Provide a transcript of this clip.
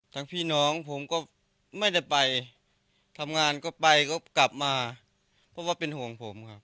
พี่น้องผมก็ไม่ได้ไปทำงานก็ไปก็กลับมาเพราะว่าเป็นห่วงผมครับ